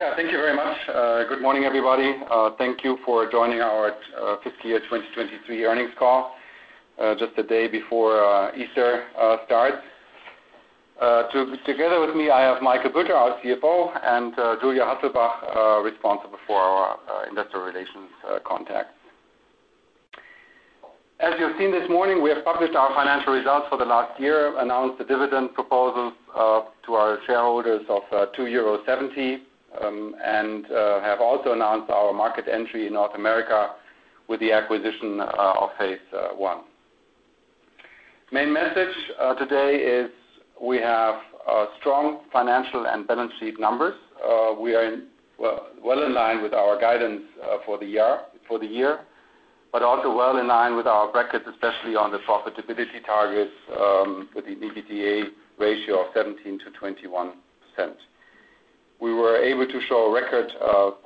Yeah, thank you very much. Good morning, everybody. Thank you for joining our fiscal year 2023 earnings call, just the day before Easter starts. Together with me, I have Michael Bülter, our CFO, and Julia Hasselbach, responsible for our investor relations contacts. As you've seen this morning, we have published our financial results for the last year, announced the dividend proposals to our shareholders of 2.70 euro, and have also announced our market entry in North America with the acquisition of phase I. Main message today is we have strong financial and balance sheet numbers. We are well, well in line with our guidance for the year for the year, but also well in line with our brackets, especially on the profitability targets, with the EBITDA ratio of 17%-21%. We were able to show a record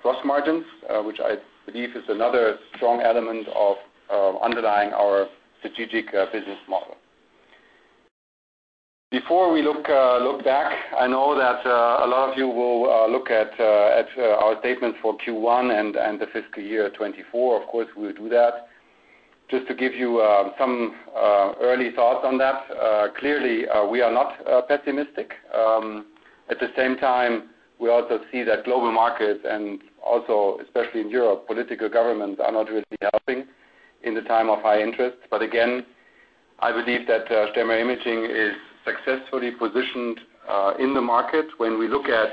gross margins, which I believe is another strong element of underlying our strategic business model. Before we look back, I know that a lot of you will look at our statements for Q1 and the fiscal year 2024. Of course, we'll do that. Just to give you some early thoughts on that, clearly, we are not pessimistic. At the same time, we also see that global markets and also, especially in Europe, political governments are not really helping in the time of high interest. But again, I believe that STEMMER IMAGING is successfully positioned in the market. When we look at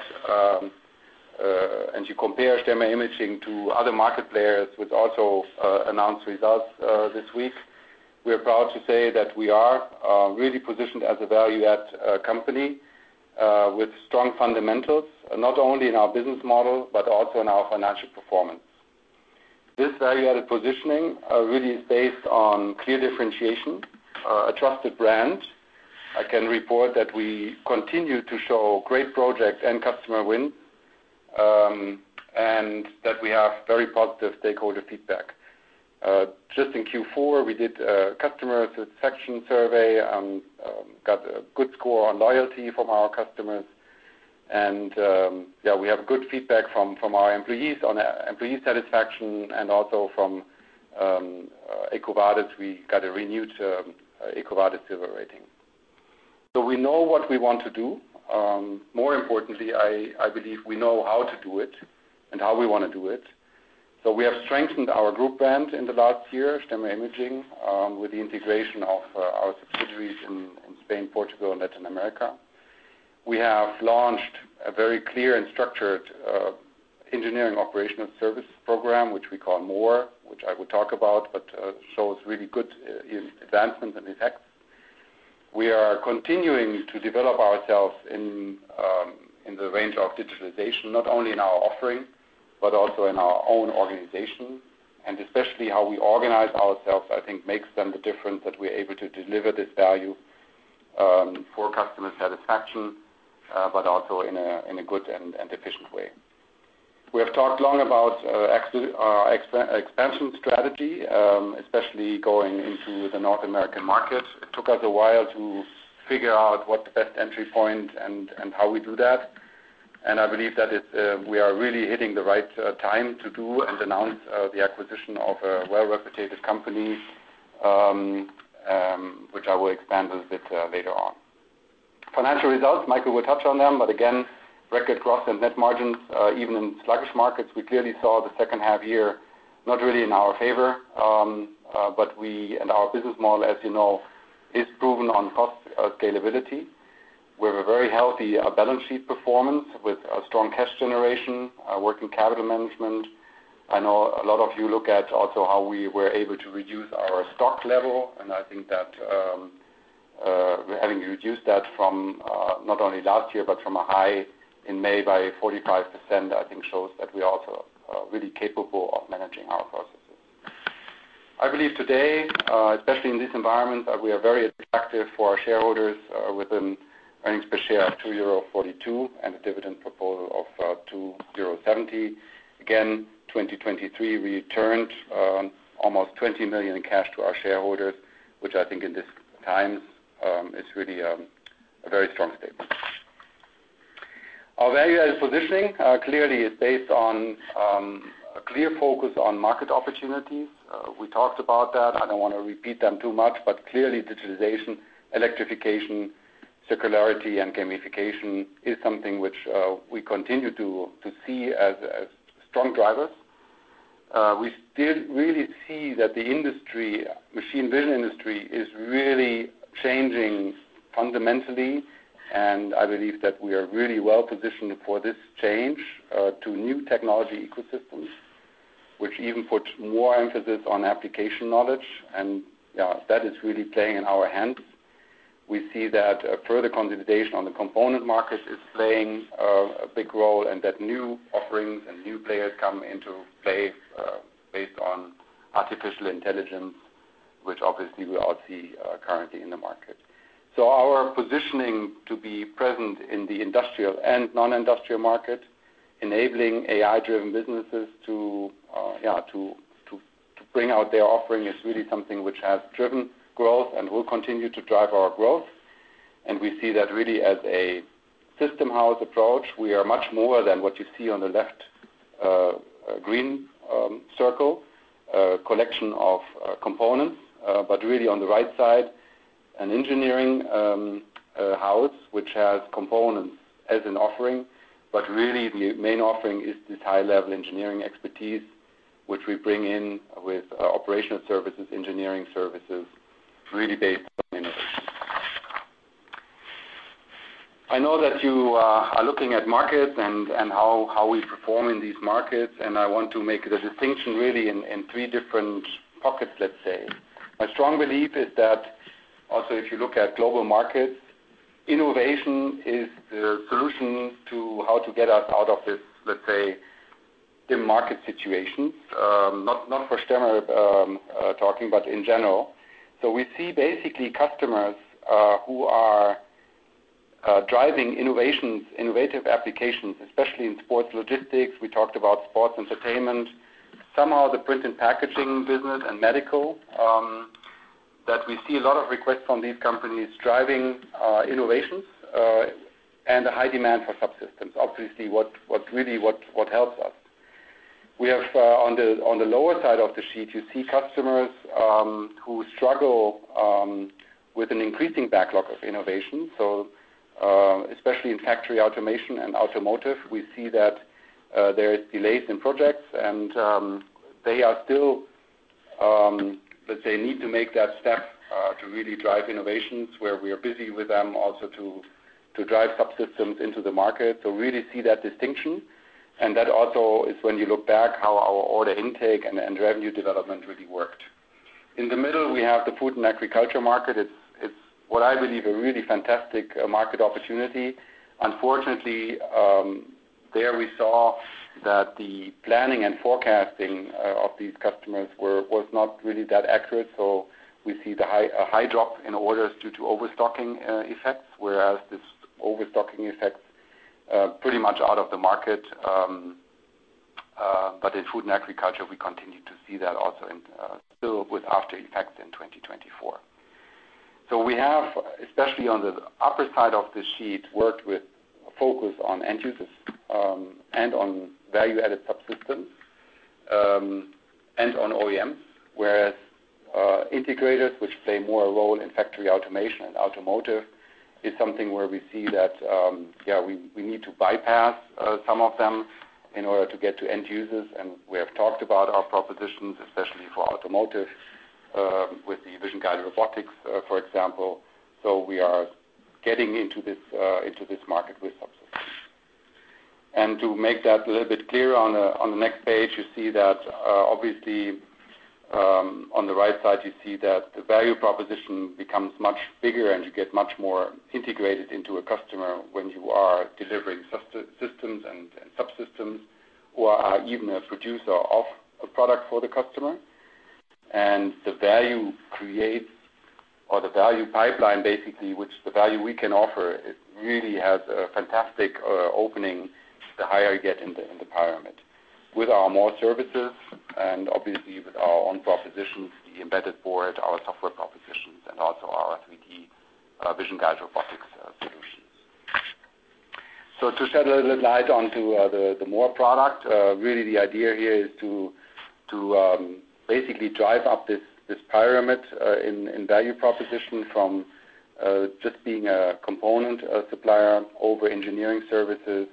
and you compare STEMMER IMAGING to other market players which also announced results this week, we're proud to say that we are really positioned as a value-added company with strong fundamentals, not only in our business model but also in our financial performance. This value-added positioning really is based on clear differentiation, a trusted brand. I can report that we continue to show great project and customer wins, and that we have very positive stakeholder feedback. Just in Q4, we did a customer satisfaction survey and got a good score on loyalty from our customers. Yeah, we have good feedback from our employees on employee satisfaction and also from EcoVadis. We got a renewed EcoVadis silver rating. So we know what we want to do. More importantly, I believe we know how to do it and how we wanna do it. So we have strengthened our group brand in the last year, STEMMER IMAGING, with the integration of our subsidiaries in Spain, Portugal, and Latin America. We have launched a very clear and structured engineering operational service program, which we call MORE, which I will talk about, but shows really good advancements and effects. We are continuing to develop ourselves in the range of digitalization, not only in our offering but also in our own organization. Especially how we organize ourselves, I think, makes then the difference that we're able to deliver this value for customer satisfaction, but also in a good and efficient way. We have talked long about expansion strategy, especially going into the North American market. It took us a while to figure out what the best entry point and how we do that. I believe that it's we are really hitting the right time to do and announce the acquisition of a well-reputed company, which I will expand a little bit later on. Financial results, Michael will touch on them. But again, record gross and net margins, even in sluggish markets, we clearly saw the second half year not really in our favor, but we and our business model, as you know, is proven on cost scalability. We have a very healthy balance sheet performance with strong cash generation, working capital management. I know a lot of you look at also how we were able to reduce our stock level. And I think that, having reduced that from not only last year but from a high in May by 45%, I think shows that we are also really capable of managing our processes. I believe today, especially in this environment, we are very attractive for our shareholders, with an earnings per share of 2.42 euro and a dividend proposal of 2.70 euro. Again, 2023 returned almost 20 million in cash to our shareholders, which I think in this times is really a very strong statement. Our value-added positioning clearly is based on a clear focus on market opportunities. We talked about that. I don't wanna repeat them too much. But clearly, digitalization, electrification, circularity, and gamification is something which we continue to see as strong drivers. We still really see that the industry, machine vision industry, is really changing fundamentally. And I believe that we are really well positioned for this change to new technology ecosystems, which even puts more emphasis on application knowledge. And yeah, that is really playing in our hands. We see that further consolidation on the component market is playing a big role and that new offerings and new players come into play, based on artificial intelligence, which obviously we all see currently in the market. So our positioning to be present in the industrial and non-industrial market, enabling AI-driven businesses to bring out their offering, is really something which has driven growth and will continue to drive our growth. We see that really as a system-house approach. We are much more than what you see on the left green circle, collection of components. But really on the right side, an engineering house which has components as an offering. But really, the main offering is this high-level engineering expertise which we bring in with operational services, engineering services, really based on innovation. I know that you are looking at markets and how we perform in these markets. And I want to make the distinction really in three different pockets, let's say. My strong belief is that also if you look at global markets, innovation is the solution to how to get us out of this, let's say, dim market situation, not for Stemmer talking, but in general. So we see basically customers who are driving innovations, innovative applications, especially in sports logistics. We talked about sports entertainment. Somehow the print and packaging business and medical, that we see a lot of requests from these companies driving innovations, and a high demand for subsystems. Obviously what really helps us. We have on the lower side of the sheet, you see customers who struggle with an increasing backlog of innovation. So, especially in factory automation and automotive, we see that there is delays in projects. They are still, let's say, need to make that step, to really drive innovations where we are busy with them also to, to drive subsystems into the market. So really see that distinction. And that also is when you look back how our order intake and revenue development really worked. In the middle, we have the food and agriculture market. It's what I believe a really fantastic market opportunity. Unfortunately, there we saw that the planning and forecasting of these customers were, was not really that accurate. So we see a high drop in orders due to overstocking effects, whereas this overstocking effects pretty much out of the market. But in food and agriculture, we continue to see that also in still with aftereffects in 2024. So we have, especially on the upper side of the sheet, worked with a focus on end users, and on value-added subsystems, and on OEMs. Whereas, integrators which play more a role in factory automation and automotive is something where we see that, yeah, we need to bypass some of them in order to get to end users. And we have talked about our propositions, especially for automotive, with the Vision Guided Robotics, for example. So we are getting into this market with subsystems. And to make that a little bit clearer on the next page, you see that, obviously, on the right side, you see that the value proposition becomes much bigger, and you get much more integrated into a customer when you are delivering subsystems and subsystems or are even a producer of a product for the customer. The value creates or the value pipeline, basically, which the value we can offer, it really has a fantastic opening the higher you get in the pyramid with our MORE services and obviously with our own propositions, the embedded board, our software propositions, and also our 3D, Vision Guided Robotics, solutions. So to shed a little light onto the MORE product, really the idea here is to basically drive up this pyramid in value proposition from just being a component supplier over engineering services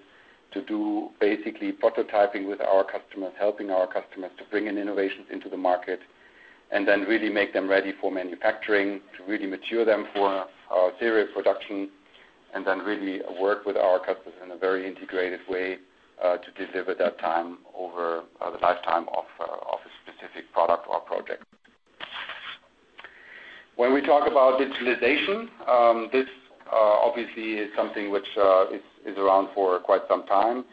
to do basically prototyping with our customers, helping our customers to bring in innovations into the market, and then really make them ready for manufacturing to really mature them for our serial production, and then really work with our customers in a very integrated way, to deliver that time over the lifetime of a specific product or project. When we talk about digitalization, this obviously is something which is around for quite some time.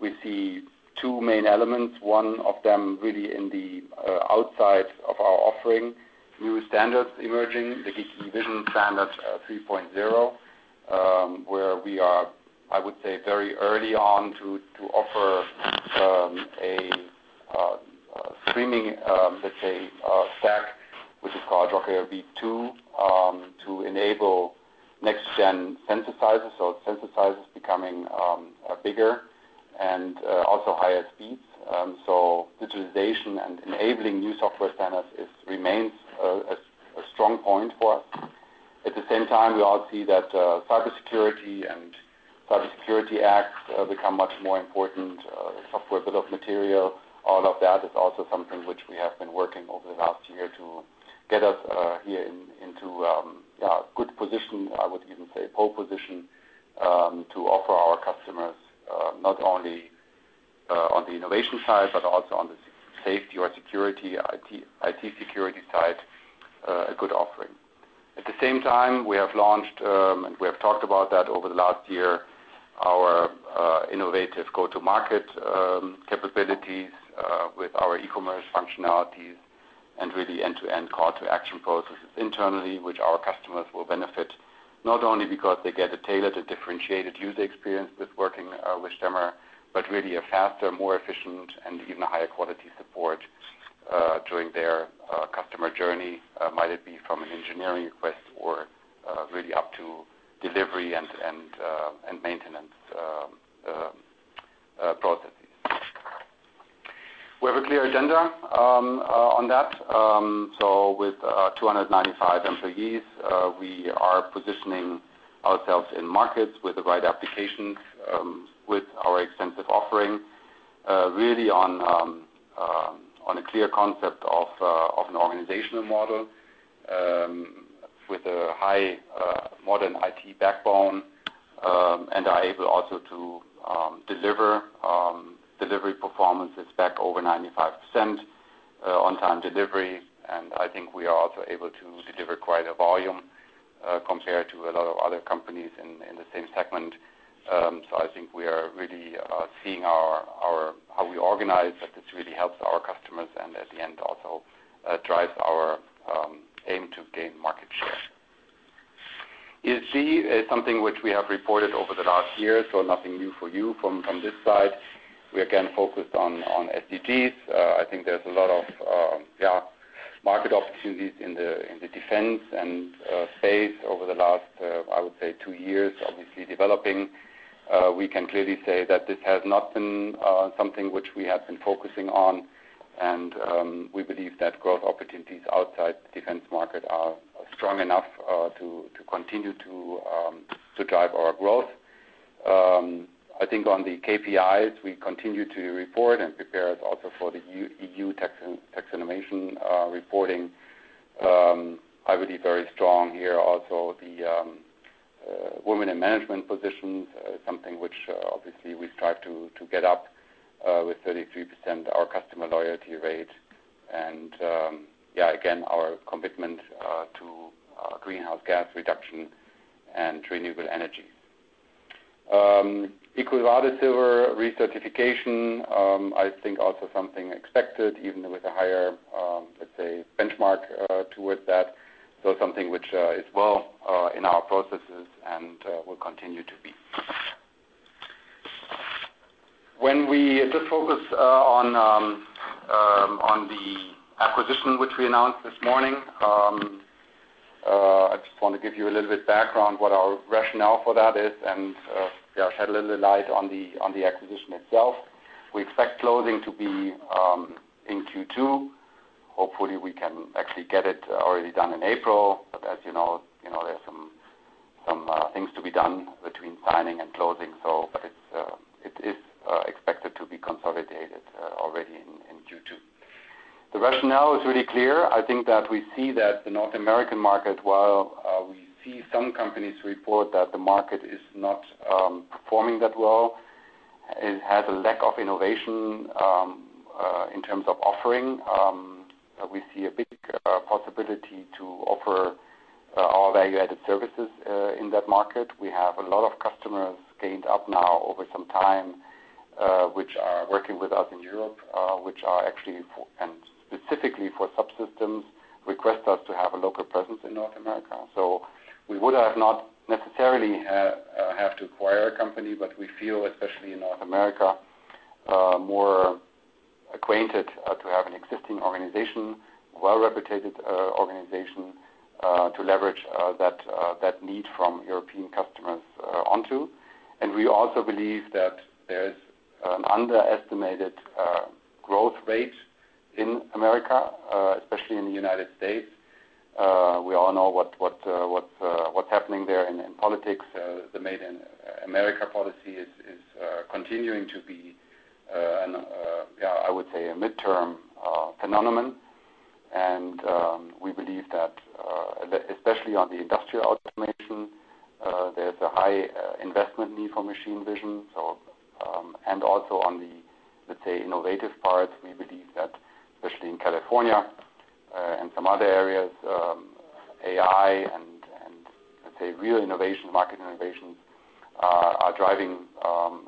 We see two main elements. One of them really in the outside of our offering, new standards emerging, the GigE Vision 3.0, where we are, I would say, very early on to offer a streaming, let's say, stack which is called RoCEv2, to enable next-gen sensor sizes. So sensor sizes becoming bigger and also higher speeds. So digitalization and enabling new software standards remains a strong point for us. At the same time, we all see that cybersecurity and Cybersecurity Act become much more important, software bill of material. All of that is also something which we have been working over the last year to get us here into, yeah, good position, I would even say pole position, to offer our customers, not only, on the innovation side but also on the safety or security IT security side, a good offering. At the same time, we have launched, and we have talked about that over the last year, our, innovative go-to-market, capabilities, with our e-commerce functionalities and really end-to-end call-to-action processes internally which our customers will benefit not only because they get a tailored, a differentiated user experience with working with Stemmer but really a faster, more efficient, and even higher quality support, during their, customer journey, might it be from an engineering request or, really up to delivery and maintenance processes. We have a clear agenda, on that. So with 295 employees, we are positioning ourselves in markets with the right applications, with our extensive offering, really on a clear concept of an organizational model, with a high, modern IT backbone, and are able also to deliver delivery performances back over 95% on-time delivery. I think we are also able to deliver quite a volume, compared to a lot of other companies in the same segment. So I think we are really seeing how we organize, that this really helps our customers and at the end also drives our aim to gain market share. ESG is something which we have reported over the last year, so nothing new for you from this side. We again focused on SDGs. I think there's a lot of, yeah, market opportunities in the defense and space over the last, I would say, two years, obviously developing. We can clearly say that this has not been something which we had been focusing on. We believe that growth opportunities outside the defense market are strong enough to continue to drive our growth. I think on the KPIs, we continue to report and prepare us also for the EU Taxonomy and innovation reporting. I believe very strong here also the women in management positions, something which obviously we strive to get up with 33% our customer loyalty rate. Yeah, again, our commitment to greenhouse gas reduction and renewable energies. EcoVadis Silver recertification, I think also something expected even with a higher, let's say, benchmark towards that. So something which is well in our processes and will continue to be. When we just focus on the acquisition which we announced this morning, I just wanna give you a little bit background what our rationale for that is. And, yeah, shed a little light on the acquisition itself. We expect closing to be in Q2. Hopefully, we can actually get it already done in April. But as you know, you know, there's some things to be done between signing and closing. So but it's expected to be consolidated already in Q2. The rationale is really clear. I think that we see that the North American market, while we see some companies report that the market is not performing that well, it has a lack of innovation in terms of offering. We see a big possibility to offer our value-added services in that market. We have a lot of customers gained up now over some time, which are working with us in Europe, which are actually for and specifically for subsystems request us to have a local presence in North America. So we would not necessarily have to acquire a company, but we feel, especially in North America, more acquainted to have an existing organization, well-reputed organization, to leverage that need from European customers onto. And we also believe that there's an underestimated growth rate in America, especially in the United States. We all know what's happening there in politics. The Made in America policy is continuing to be an, yeah, I would say a mid-term phenomenon. We believe that, especially on the industrial automation, there's a high investment need for Machine Vision. So, and also on the, let's say, innovative part, we believe that especially in California, and some other areas, AI and let's say real innovations, market innovations, are driving,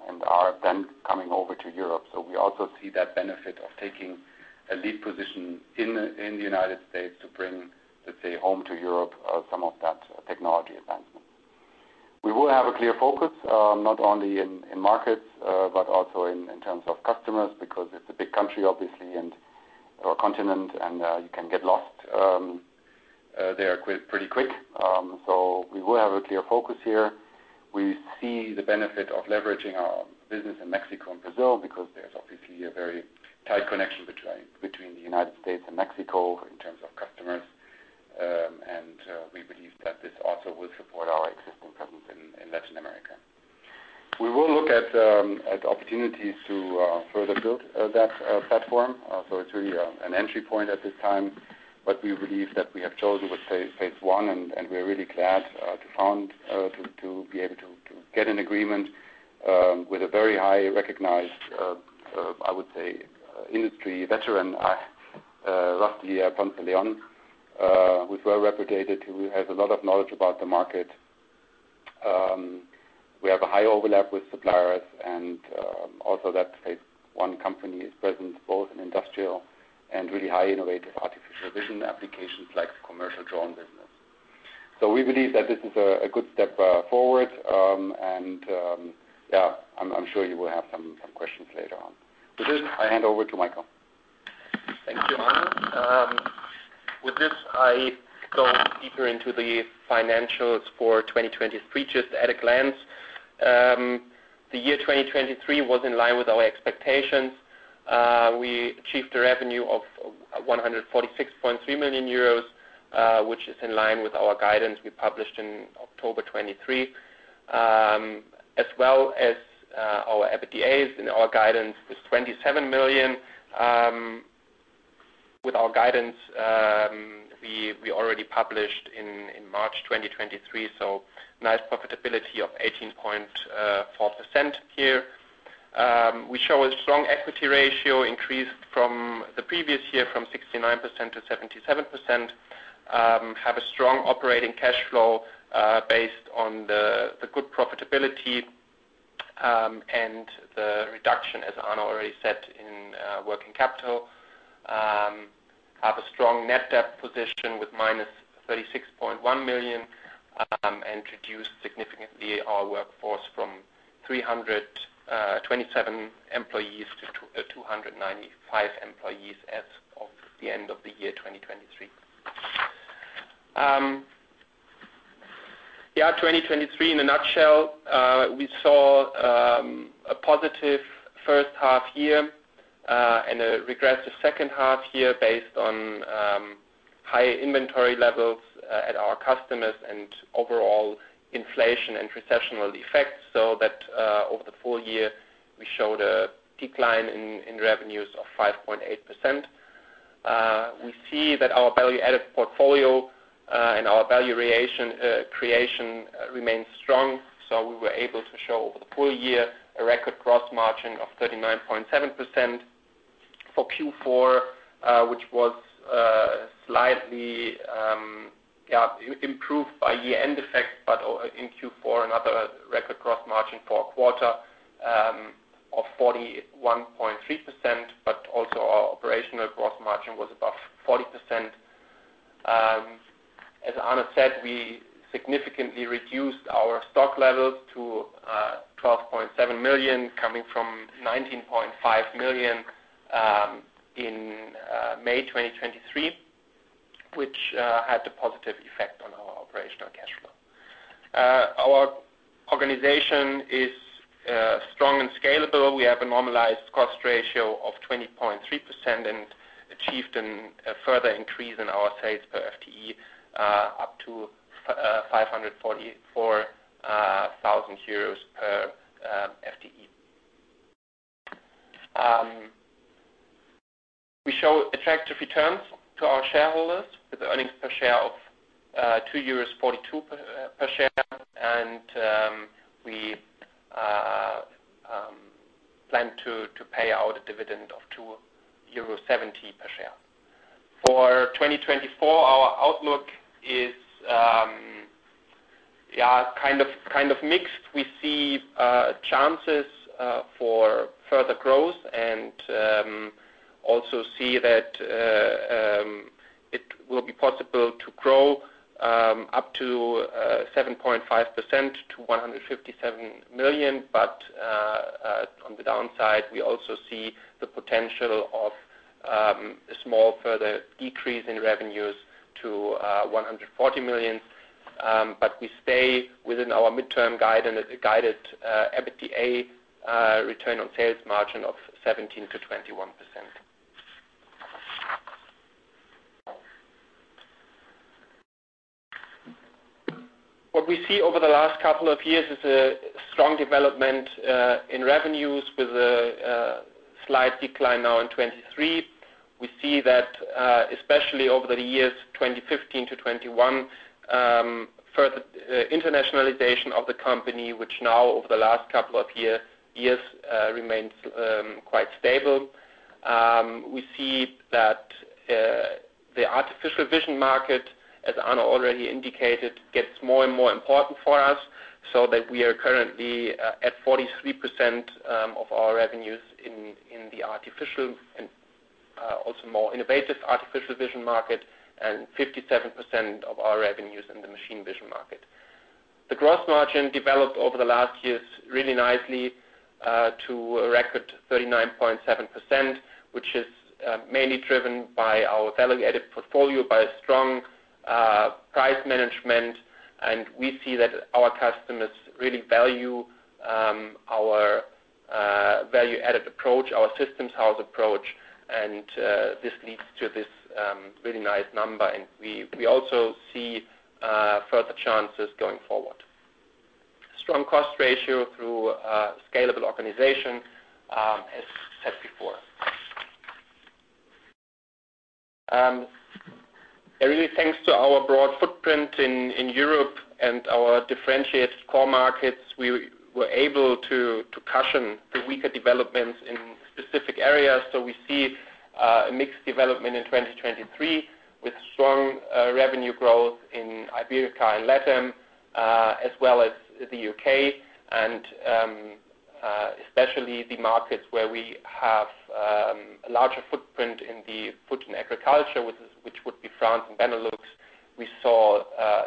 and are then coming over to Europe. So we also see that benefit of taking a lead position in the United States to bring, let's say, home to Europe, some of that technology advancement. We will have a clear focus, not only in markets, but also in terms of customers because it's a big country, obviously, and or continent. You can get lost there quite pretty quick. So we will have a clear focus here. We see the benefit of leveraging our business in Mexico and Brazil because there's obviously a very tight connection between the United States and Mexico in terms of customers. We believe that this also will support our existing presence in Latin America. We will look at opportunities to further build that platform. So it's really an entry point at this time. But we believe that we have chosen with phase I, and we are really glad to be able to get an agreement with a very highly recognized, I would say, industry veteran, Rusty Ponce de Leon, who's well-reputed, who has a lot of knowledge about the market. We have a high overlap with suppliers. Also, that phase I company is present both in industrial and really high-innovative Artificial Vision applications like commercial drone business. So we believe that this is a good step forward. Yeah, I'm sure you will have some questions later on. With this, I hand over to Michael. Thank you, Arne. With this, I go deeper into the financials for 2023 just at a glance. The year 2023 was in line with our expectations. We achieved a revenue of 146.3 million euros, which is in line with our guidance we published in October 2023, as well as our EBITDA and our guidance is 27 million. With our guidance, we already published in March 2023. So nice profitability of 18.4% here. We show a strong equity ratio increased from the previous year from 69% to 77%, have a strong operating cash flow, based on the good profitability, and the reduction, as Arne already said, in working capital. have a strong net debt position with -36.1 million, and reduced significantly our workforce from 327 employees to 295 employees as of the end of the year 2023. Yeah, 2023, in a nutshell, we saw a positive first half year, and a regressive second half year based on high inventory levels at our customers and overall inflation and recessional effects. So that, over the full year, we showed a decline in revenues of 5.8%. We see that our value-added portfolio, and our value creation remains strong. So we were able to show over the full year a record gross margin of 39.7%. For Q4, which was slightly improved by year-end effect, but in Q4, another record gross margin for a quarter, of 41.3%. But also our operational gross margin was above 40%. As Arne said, we significantly reduced our stock levels to 12.7 million coming from 19.5 million in May 2023, which had a positive effect on our operational cash flow. Our organization is strong and scalable. We have a normalized cost ratio of 20.3% and achieved a further increase in our sales per FTE up to 544,000 euros per FTE. We show attractive returns to our shareholders with earnings per share of 2.42 euros per share. And we plan to pay out a dividend of 2.70 euro per share. For 2024, our outlook is yeah, kind of kind of mixed. We see chances for further growth and also see that it will be possible to grow up to 7.5% to 157 million. But on the downside, we also see the potential of a small further decrease in revenues to 140 million. But we stay within our midterm guidance guided EBITDA return on sales margin of 17%-21%. What we see over the last couple of years is a strong development in revenues with a slight decline now in 2023. We see that, especially over the years 2015 to 2021, further internationalization of the company, which now over the last couple of years remains quite stable. We see that the artificial vision market, as Arne already indicated, gets more and more important for us so that we are currently at 43% of our revenues in the artificial and also more innovative artificial vision market and 57% of our revenues in the machine vision market. The gross margin developed over the last years really nicely to a record 39.7%, which is mainly driven by our value-added portfolio by a strong price management. We see that our customers really value our value-added approach, our systems-house approach. This leads to this really nice number. We also see further chances going forward. Strong cost ratio through scalable organization, as said before. Yeah, really thanks to our broad footprint in Europe and our differentiated core markets, we were able to cushion the weaker developments in specific areas. So we see a mixed development in 2023 with strong revenue growth in Iberia and LATAM, as well as the U.K.. And especially the markets where we have a larger footprint in the food and agriculture, which would be France and Benelux, we saw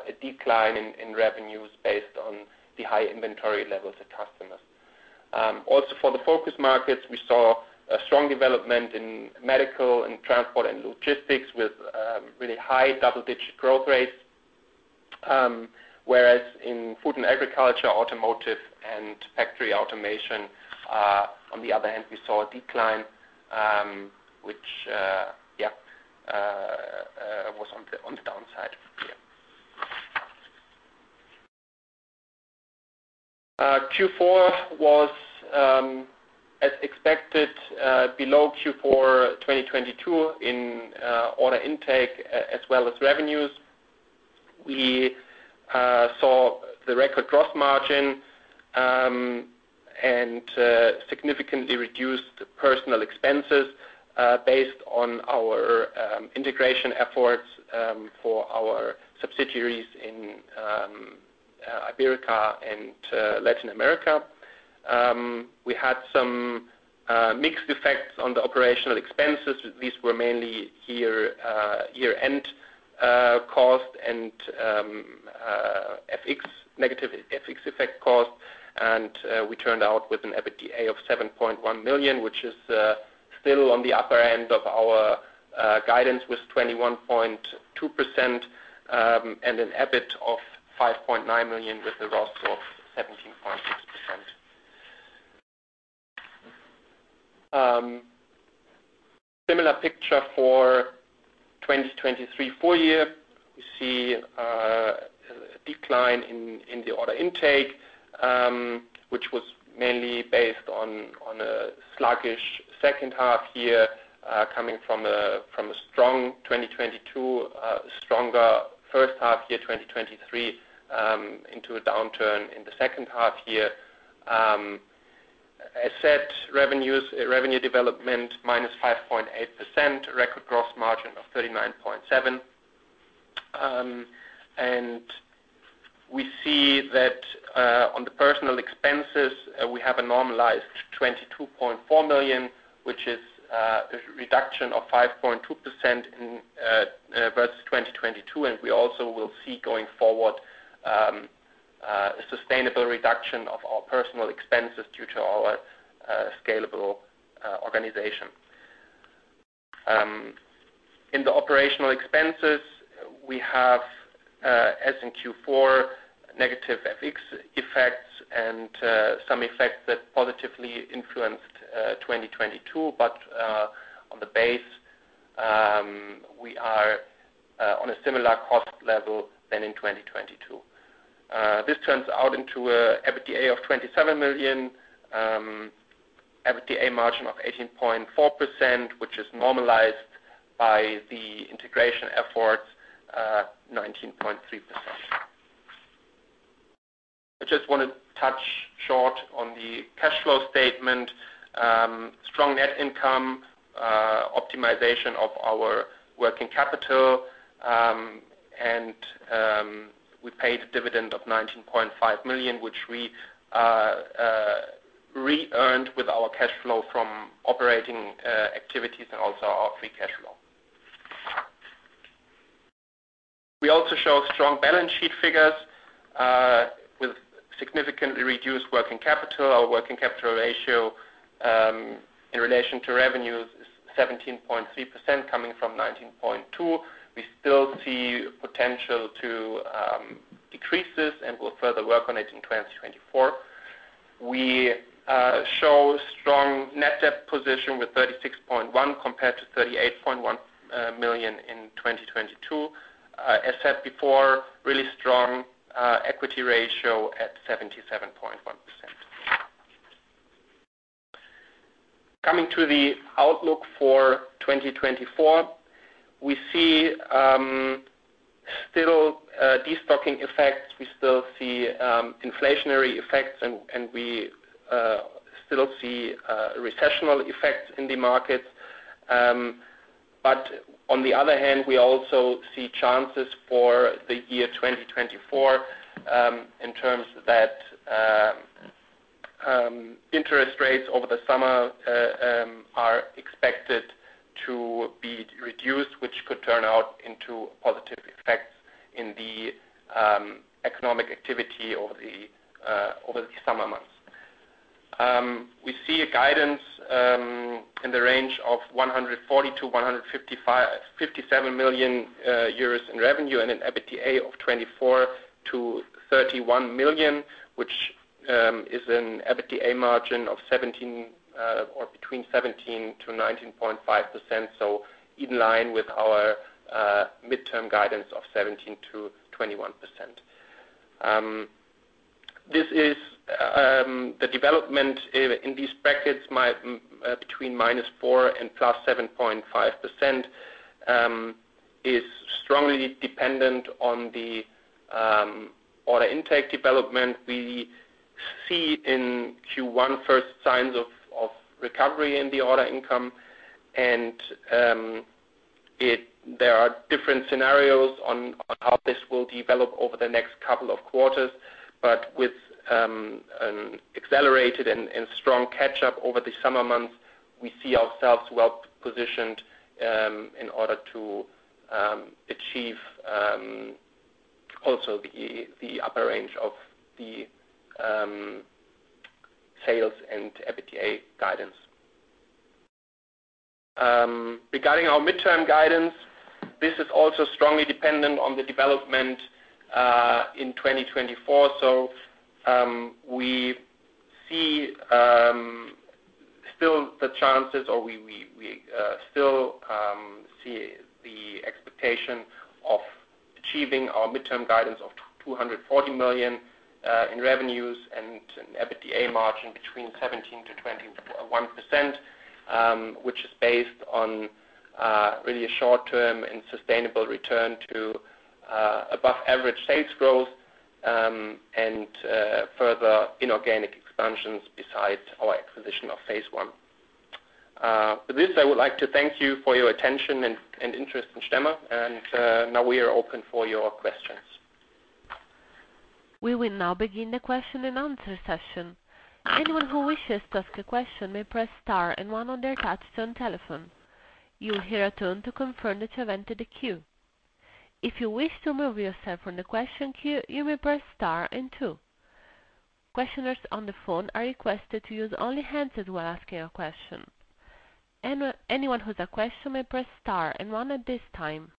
a decline in revenues based on the high inventory levels at customers. Also for the focus markets, we saw a strong development in medical and transport and logistics with really high double-digit growth rates. Whereas in food and agriculture, automotive, and factory automation, on the other hand, we saw a decline, which, yeah, was on the downside here. Q4 was, as expected, below Q4 2022 in order intake, as well as revenues. We saw the record gross margin and significantly reduced personnel expenses, based on our integration efforts for our subsidiaries in Iberia and Latin America. We had some mixed effects on the operational expenses. These were mainly year-end costs and negative FX effects costs. And we turned out with an EBITDA of 7.1 million, which is still on the upper end of our guidance with 21.2%, and an EBIT of 5.9 million with a margin of 17.6%. Similar picture for 2023 full year. We see a decline in the order intake, which was mainly based on a sluggish second half year, coming from a strong 2022, stronger first half year 2023, into a downturn in the second half year. As said, revenue development -5.8%, record gross margin of 39.7%. And we see that on the personnel expenses, we have a normalized 22.4 million, which is a reduction of 5.2% versus 2022. And we also will see going forward a sustainable reduction of our personnel expenses due to our scalable organization. In the operational expenses, we have, as in Q4, negative FX effects and some effects that positively influenced 2022. But on the base, we are on a similar cost level than in 2022. This turns out into an EBITDA of 27 million, EBITDA margin of 18.4%, which is normalized by the integration efforts, 19.3%. I just want to touch short on the cash flow statement. Strong net income, optimization of our working capital. And we paid a dividend of 19.5 million, which we re-earned with our cash flow from operating activities and also our free cash flow. We also show strong balance sheet figures, with significantly reduced working capital. Our working capital ratio, in relation to revenues is 17.3% coming from 19.2%. We still see potential to decrease and will further work on it in 2024. We show strong net debt position with 36.1 million compared to 38.1 million in 2022. As said before, really strong equity ratio at 77.1%. Coming to the outlook for 2024, we see still destocking effects. We still see inflationary effects. And we still see recessional effects in the markets. But on the other hand, we also see chances for the year 2024, in terms that interest rates over the summer are expected to be reduced, which could turn out into positive effects in the economic activity over the summer months. We see a guidance in the range of 140-155.7 million euros in revenue and an EBITDA of 24 million-31 million, which is an EBITDA margin of 17% or between 17%-19.5%. So in line with our midterm guidance of 17%-21%. This is the development in these brackets, between -4% and +7.5%, is strongly dependent on the order intake development. We see in Q1 first signs of recovery in the order intake. And there are different scenarios on how this will develop over the next couple of quarters. But with an accelerated and strong catch-up over the summer months, we see ourselves well-positioned in order to achieve also the upper range of the sales and EBITDA guidance. Regarding our midterm guidance, this is also strongly dependent on the development in 2024. So, we still see the chances or we still see the expectation of achieving our midterm guidance of 240 million in revenues and an EBITDA margin between 17%-21%, which is based on really a short-term and sustainable return to above-average sales growth, and further inorganic expansions besides our acquisition of phase I. With this, I would like to thank you for your attention and interest in Stemmer. Now we are open for your questions. We will now begin the question-and-answer session. Anyone who wishes to ask a question may press star and one on their touch-tone telephone. You'll hear a tone to confirm that you have entered the queue. If you wish to move yourself from the question queue, you may press star and two. Questioners on the phone are requested to use only handsets as well when asking a question. Anyone who has a question may press star and one at this time.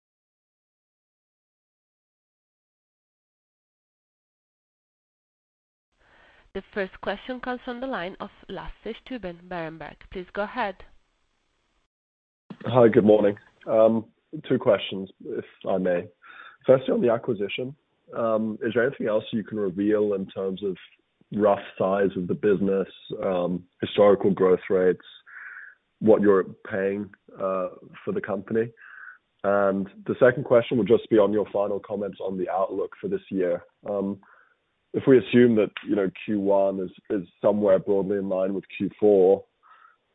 The first question comes from the line of Lasse Stüben, Berenberg. Please go ahead. Hi. Good morning. two questions, if I may. Firstly, on the acquisition, is there anything else you can reveal in terms of rough size of the business, historical growth rates, what you're paying for the company? And the second question will just be on your final comments on the outlook for this year. If we assume that, you know, Q1 is somewhere broadly in line with Q4,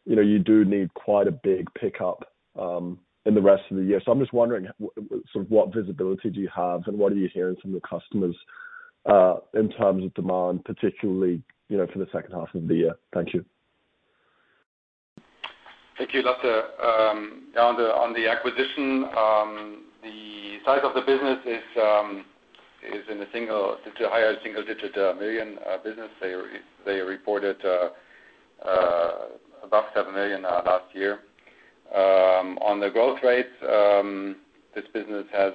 you know, you do need quite a big pickup in the rest of the year. So I'm just wondering, sort of, what visibility do you have, and what are you hearing from your customers, in terms of demand, particularly, you know, for the second half of the year? Thank you. Thank you, Lasse. Yeah, on the acquisition, the size of the business is in a single—it's a higher single-digit million EUR business. They reported above 7 million last year. On the growth rates, this business has,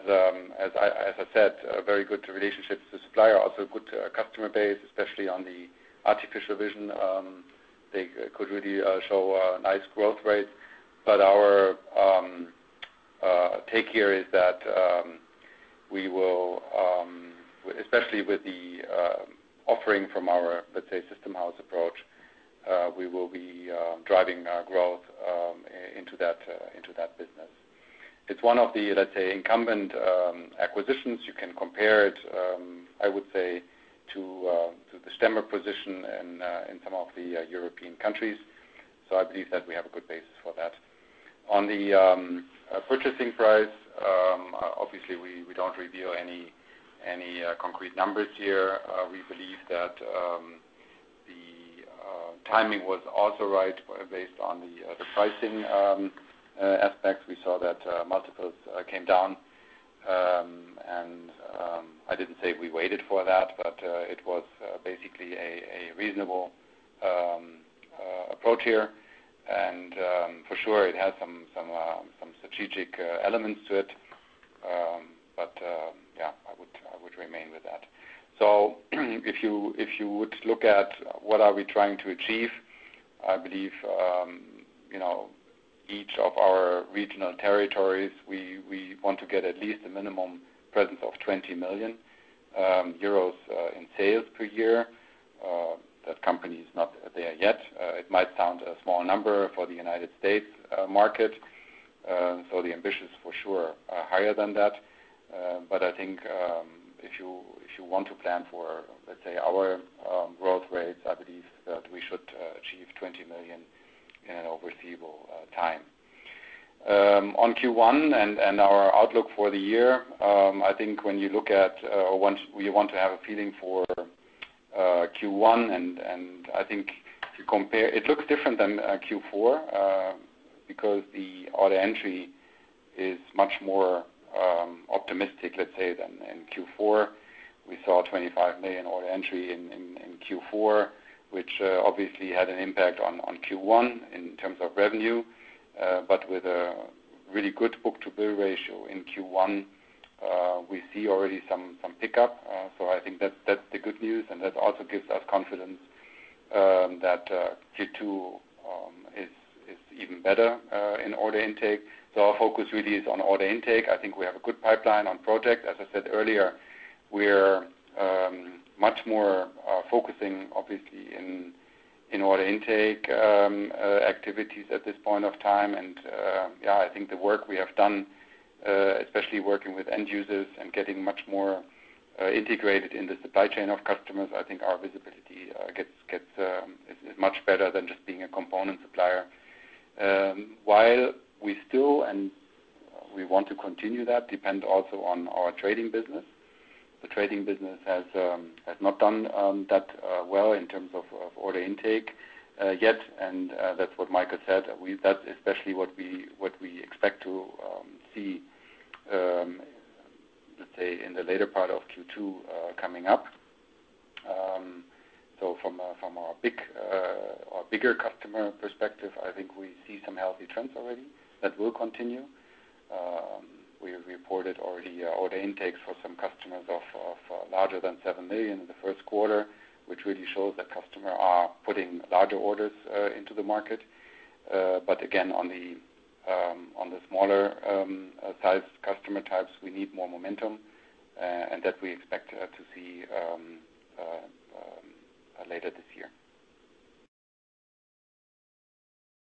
as I said, very good relationships to supplier, also good customer base, especially on the artificial vision. They could really show nice growth rates. But our take here is that we will, especially with the offering from our, let's say, system-house approach, be driving growth into that—into that business. It's one of the, let's say, incumbent acquisitions. You can compare it, I would say, to the Stemmer position in some of the European countries. So I believe that we have a good basis for that. On the purchasing price, obviously, we don't reveal any concrete numbers here. We believe that the timing was also right based on the pricing aspects. We saw that multiples came down. I didn't say we waited for that, but it was basically a reasonable approach here. And, for sure, it has some strategic elements to it. But yeah, I would—I would remain with that. So if you if you would look at what are we trying to achieve, I believe, you know, each of our regional territories, we, we want to get at least a minimum presence of 20 million euros in sales per year. That company is not there yet. It might sound a small number for the United States market. So the ambitions, for sure, are higher than that. But I think, if you if you want to plan for, let's say, our, growth rates, I believe that we should achieve 20 million in an achievable time. On Q1 and our outlook for the year, I think when you look at, or once you want to have a feeling for, Q1 and, and I think if you compare, it looks different than Q4, because the order entry is much more optimistic, let's say, than Q4. We saw 25 million order entry in Q4, which obviously had an impact on Q1 in terms of revenue. But with a really good book-to-bill ratio in Q1, we see already some pickup. So I think that's the good news. And that also gives us confidence that Q2 is even better in order intake. So our focus really is on order intake. I think we have a good pipeline on projects. As I said earlier, we're much more focusing obviously in order intake activities at this point of time. And yeah, I think the work we have done, especially working with end users and getting much more integrated in the supply chain of customers, I think our visibility is much better than just being a component supplier. While we still want to continue that, it depends also on our trading business. The trading business has not done that well in terms of order intake yet. And that's what Michael said. That's especially what we expect to see, let's say, in the later part of Q2 coming up. So from a bigger customer perspective, I think we see some healthy trends already that will continue. We reported already order intakes for some customers of larger than 7 million in the first quarter, which really shows that customers are putting larger orders into the market. But again, on the smaller-sized customer types, we need more momentum, and that we expect to see later this year.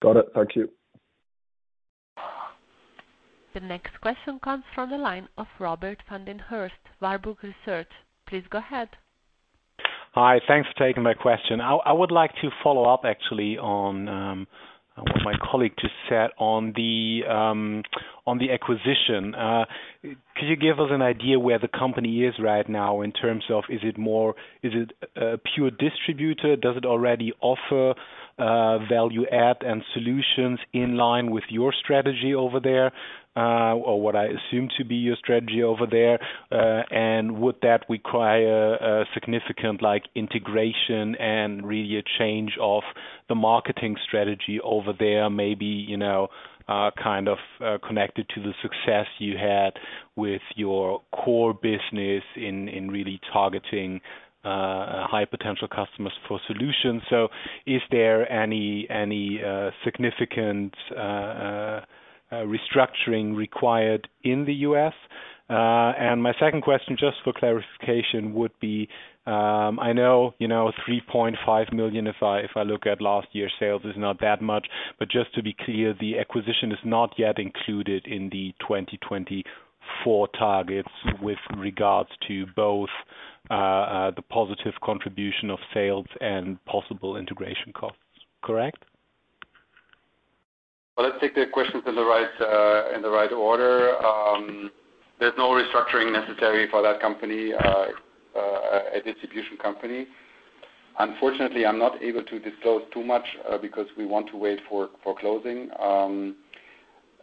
Got it. Thank you. The next question comes from the line of Robert van der Horst, Warburg Research. Please go ahead. Hi. Thanks for taking my question. I would like to follow up, actually, on what my colleague just said on the acquisition. Could you give us an idea where the company is right now in terms of is it more is it a pure distributor? Does it already offer value-add and solutions in line with your strategy over there, or what I assume to be your strategy over there? And would that require a significant, like, integration and really a change of the marketing strategy over there, maybe, you know, kind of, connected to the success you had with your core business in really targeting high-potential customers for solutions? So is there any significant restructuring required in the US? My second question, just for clarification, would be, I know, you know, 3.5 million, if I look at last year's sales, is not that much. But just to be clear, the acquisition is not yet included in the 2024 targets with regards to both, the positive contribution of sales and possible integration costs. Correct? Well, let's take the questions in the right order. There's no restructuring necessary for that company, a distribution company. Unfortunately, I'm not able to disclose too much, because we want to wait for closing.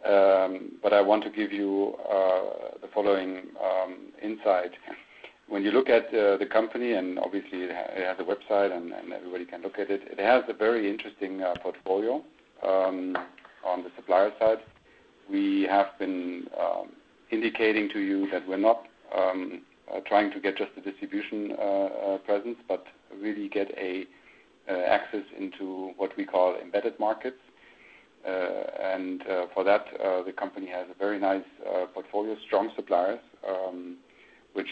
But I want to give you the following insight. When you look at the company and obviously, it has a website, and everybody can look at it. It has a very interesting portfolio on the supplier side. We have been indicating to you that we're not trying to get just the distribution presence but really get a access into what we call embedded markets. For that, the company has a very nice portfolio, strong suppliers, which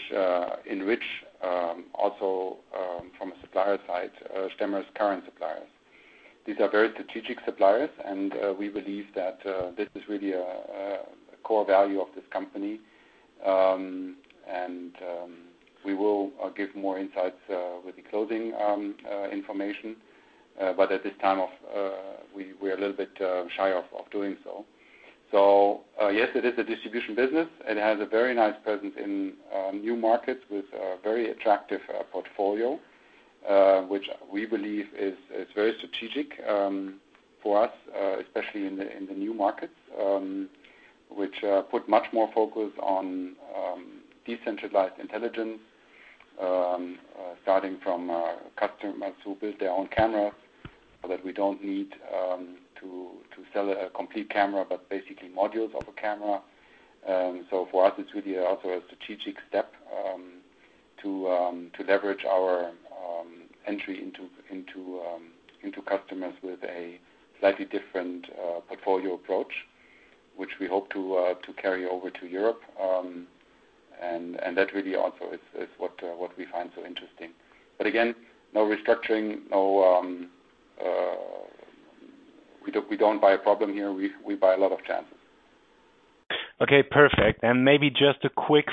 enrich also from a supplier side Stemmer's current suppliers. These are very strategic suppliers. We believe that this is really a core value of this company. We will give more insights with the closing information. But at this time, we're a little bit shy of doing so. So yes, it is a distribution business. It has a very nice presence in new markets with a very attractive portfolio, which we believe is very strategic for us, especially in the new markets, which put much more focus on decentralized intelligence, starting from customers who build their own cameras so that we don't need to sell a complete camera but basically modules of a camera. So for us, it's really also a strategic step to leverage our entry into customers with a slightly different portfolio approach, which we hope to carry over to Europe. And that really also is what we find so interesting. But again, no restructuring, no, we don't buy a problem here. We buy a lot of chances. Okay. Perfect. And maybe just a quick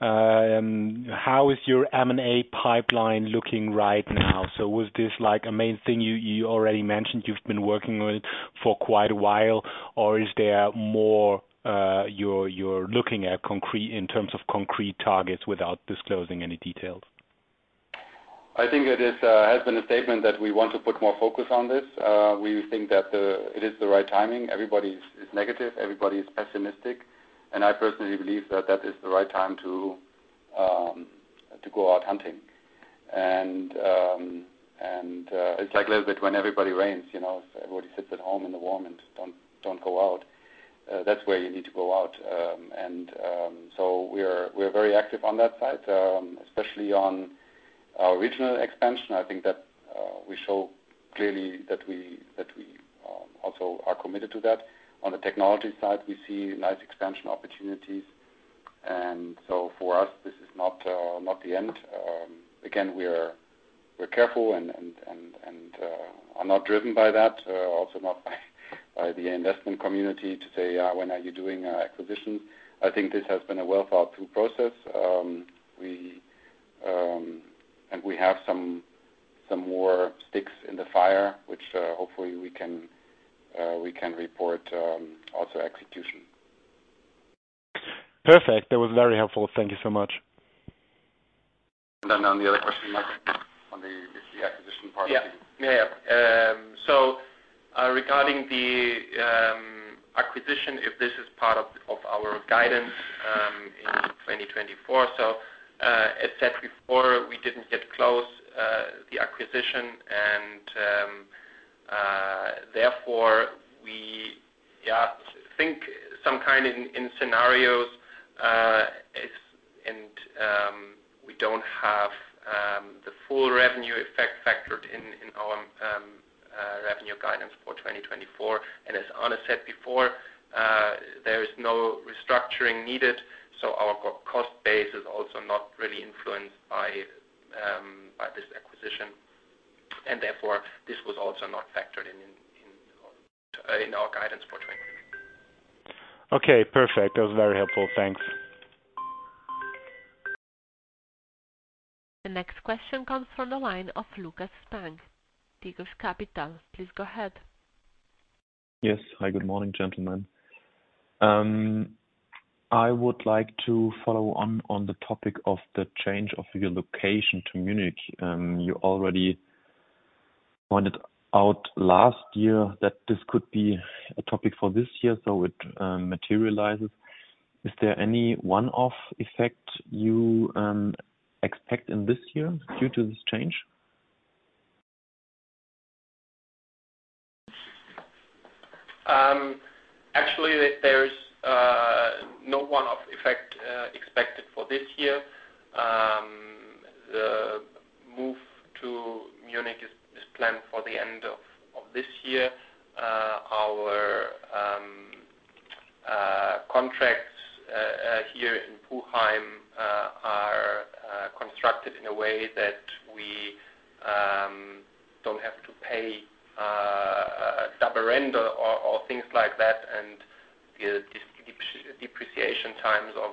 follow-up, how is your M&A pipeline looking right now? So was this, like, a main thing you already mentioned you've been working on it for quite a while? Or is there more, you're looking at concrete in terms of concrete targets without disclosing any details? I think it has been a statement that we want to put more focus on this. We think that it is the right timing. Everybody is negative. Everybody's pessimistic. I personally believe that that is the right time to go out hunting. And it's like a little bit when everybody rains, you know? Everybody sits at home in the warm and don't go out. That's where you need to go out. So we're very active on that side, especially on our regional expansion. I think that we show clearly that we also are committed to that. On the technology side, we see nice expansion opportunities. So for us, this is not the end. Again, we're careful and are not driven by that, also not by the investment community to say, "Yeah. When are you doing acquisitions?" I think this has been a well-thought-through process. We have some more sticks in the fire, which hopefully we can report, also execution. Perfect. That was very helpful. Thank you so much. And then on the other question, Michael? On the acquisition, if this is part of the. Yeah. So, regarding the acquisition, if this is part of our guidance in 2024. So, as said before, we didn't get close, the acquisition. And, therefore, we think in some kind of scenarios we don't have the full revenue effect factored in our revenue guidance for 2024. And as Arne said before, there is no restructuring needed. So our cost base is also not really influenced by this acquisition. And therefore, this was also not factored in our guidance for 2024. Okay. Perfect. That was very helpful. Thanks. The next question comes from the line of Lukas Spang, Tigris Capital. Please go ahead. Yes. Hi. Good morning, gentlemen. I would like to follow on the topic of the change of your location to Munich. You already pointed out last year that this could be a topic for this year, so it materializes. Is there any one-off effect you expect in this year due to this change? Actually, there's no one-off effect expected for this year. The move to Munich is planned for the end of this year. Our contracts here in Puchheim are constructed in a way that we don't have to pay double rent or things like that. And the depreciation times of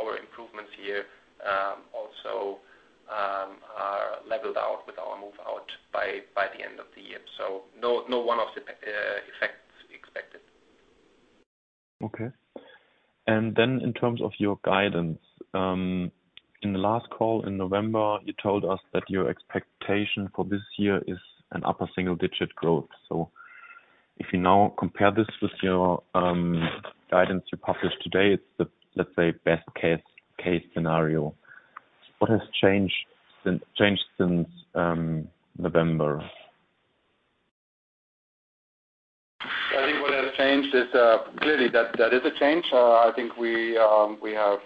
our improvements here also are leveled out with our move out by the end of the year. So no one-off effect expected. Okay. And then in terms of your guidance, in the last call in November, you told us that your expectation for this year is an upper single-digit growth. So if you now compare this with your guidance you published today, it's the, let's say, best-case scenario. What has changed since November? I think what has changed is, clearly, that is a change. I think we have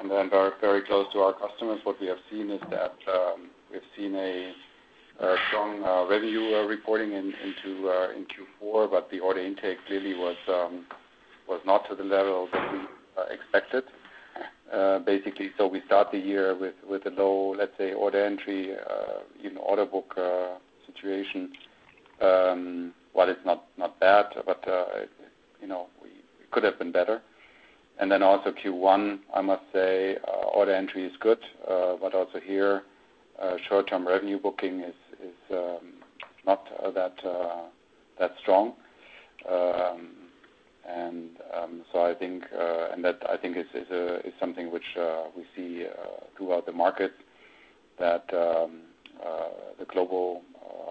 and very close to our customers. What we have seen is that we've seen a strong revenue reporting in Q4. But the order intake clearly was not to the level that we expected, basically. So we start the year with a low, let's say, order entry in order book situation. While it's not bad, but it, you know, we could have been better. And then also Q1, I must say, order entry is good, but also here, short-term revenue booking is not that strong. And so I think, and that I think is something which we see throughout the market, that the global,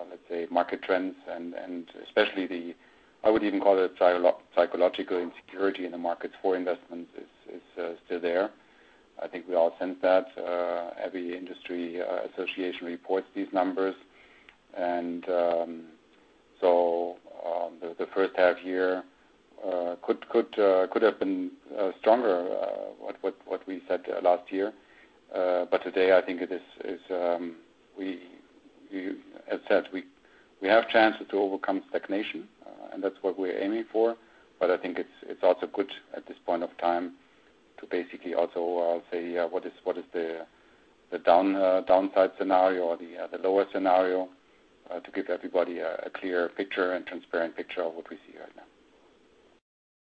let's say, market trends and especially the—I would even call it—psychological insecurity in the markets for investments is still there. I think we all sense that. Every industry association reports these numbers. And, so, the first half year could have been stronger, what we said last year. But today, I think it is, as you said, we have chances to overcome stagnation, and that's what we're aiming for. But I think it's also good at this point of time to basically also say, yeah, what is the downside scenario or the lower scenario, to give everybody a clear picture and transparent picture of what we see right now.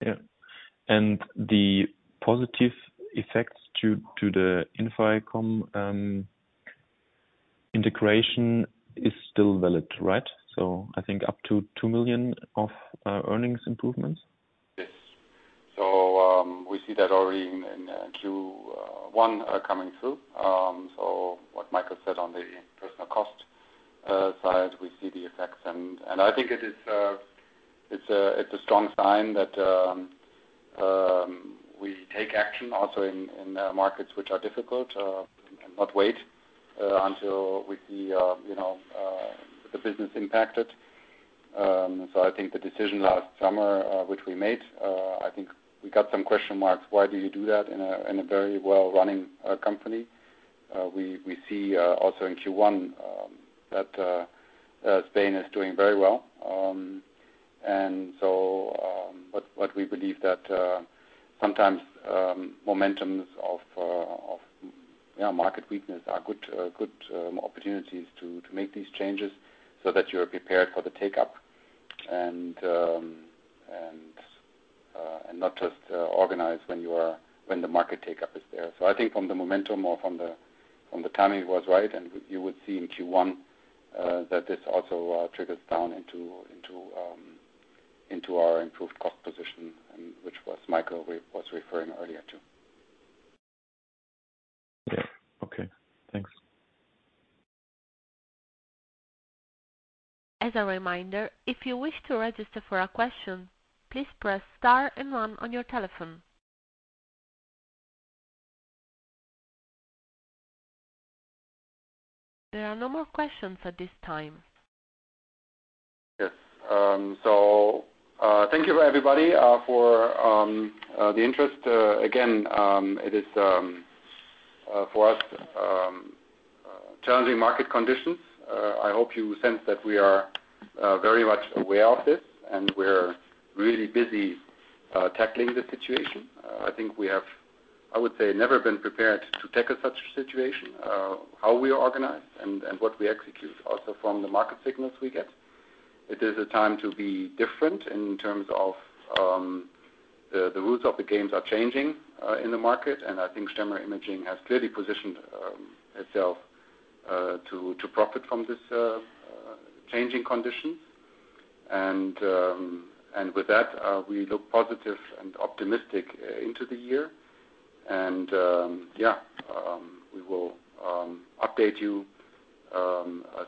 Yeah. And the positive effects due to the Infaimon integration is still valid, right? So I think up to 2 million of earnings improvements? Yes. So, we see that already in Q1, coming through. So what Michael said on the personnel cost side, we see the effects. And I think it is; it's a strong sign that we take action also in markets which are difficult, and not wait until we see, you know, the business impacted. So I think the decision last summer, which we made, I think we got some question marks, "Why do you do that in a very well-running company?" We see also in Q1 that Spain is doing very well. And so, but we believe that sometimes moments of market weakness are good opportunities to make these changes so that you're prepared for the takeup and not just organize when the market takeup is there. So I think from the momentum or from the timing was right. And you would see in Q1, that this also triggers down into our improved cost position, which Michael was referring to earlier. Yeah. Okay. Thanks. As a reminder, if you wish to register for a question, please press star and one on your telephone. There are no more questions at this time. Yes. So, thank you to everybody for the interest. Again, it is for us challenging market conditions. I hope you sense that we are very much aware of this. And we're really busy tackling the situation. I think we have, I would say, never been prepared to tackle such a situation, how we organize and what we execute also from the market signals we get. It is a time to be different in terms of the rules of the game are changing in the market. I think Stemmer Imaging has clearly positioned itself to profit from this changing conditions. And with that, we look positive and optimistic into the year. And yeah, we will update you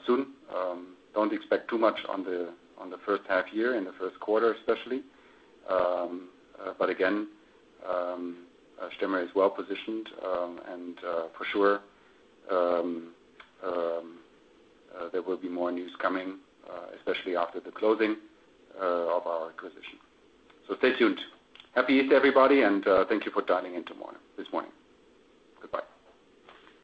soon. Don't expect too much on the first half year in the first quarter especially. But again, Stemmer is well-positioned, and for sure, there will be more news coming, especially after the closing of our acquisition. So stay tuned. Happy Easter, everybody. And thank you for dialing in tomorrow this morning. Goodbye.